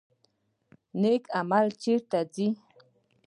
نیک عمل چیرته ځي؟